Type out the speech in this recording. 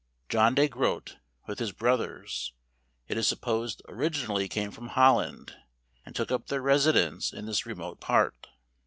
John de Groat , with his brothers, it is supposed originally came from Holland, and took up their residence in this remote part.